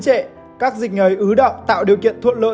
các dịch ngầy ứ động tạo điều kiện thuận lợi